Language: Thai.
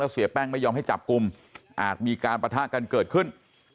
เสียแป้งไม่ยอมให้จับกลุ่มอาจมีการปะทะกันเกิดขึ้น